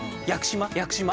屋久島！